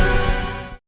masa kamu tidur packusimu